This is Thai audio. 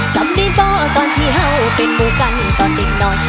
จำได้บ่อเว้นที่เฮ่อเป็นบุกรรมก่อนเด็กหน่อย